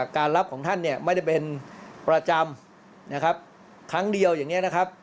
การรับของท่านไม่ได้เป็นประจำครั้งเดียวอย่างนี้นะครับ